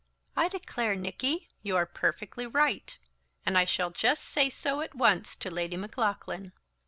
"I declare, Nicky, you are perfectly right; and I shall just say so at once to Lady Maclaughlan."